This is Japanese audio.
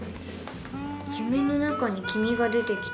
「夢の中にキミがでてきた。